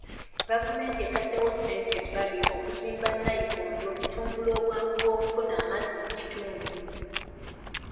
Gavumenti etaddewo ssente ebbali okuzimba nayikondo okutumbula obwangu bw'okufuna amazzi mu kitundu.